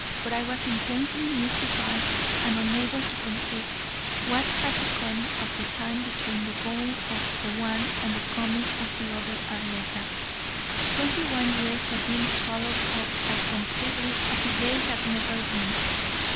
But I was intensely mystified and unable to conceive what had become of the time between the going of the one and the coming of the other Arletta. Twenty one years had been swallowed up as completely as if they had never been.